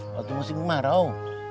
waktu masih kemarau